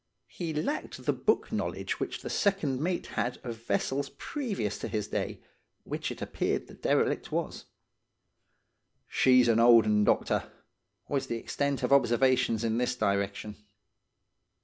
He lacked the book knowledge which the second mate had of vessels previous to his day, which it appeared the derelict was. "'She's an old 'un, doctor,' was the extent of observations in this direction.